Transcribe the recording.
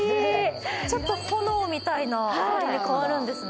ちょっと炎みたいなのに変わるんですね。